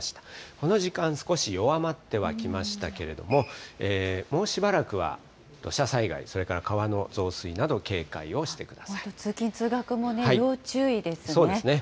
この時間、少し弱まってはきましたけれども、もうしばらくは土砂災害、それから川の増水など、警本当、通勤・通学も要注意でそうですね。